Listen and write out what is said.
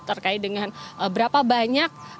terkait dengan berapa banyak